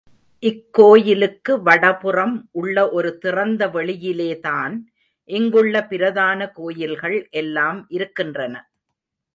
இக்கோயிலுக்கு வடபுறம் உள்ள ஒரு திறந்த வெளியிலேதான் இங்குள்ள பிரதான கோயில்கள் எல்லாம் இருக்கின்றன.